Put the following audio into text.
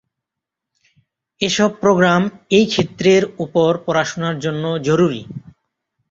এসব প্রোগ্রাম এই ক্ষেত্রের উপর পড়াশোনার জন্যে জরুরী।